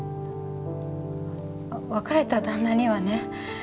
別れた旦那にはね